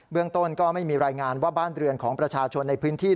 เรื่องต้นก็ไม่มีรายงานว่าบ้านเรือนของประชาชนในพื้นที่